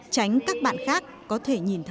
tránh các bạn khác có thể nhìn thấy